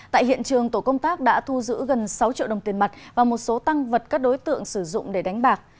tại hiện trường tổ công tác đã thu giữ gần sáu triệu đồng tiền mặt và một số tăng vật các đối tượng sử dụng để đánh bạc